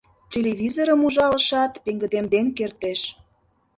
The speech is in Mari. Телевизорым ужалышат пеҥгыдемден кертеш.